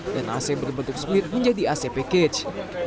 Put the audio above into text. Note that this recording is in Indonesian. dan ac berbentuk split menjadi ac package